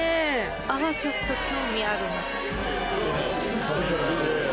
泡ちょっと興味あるな。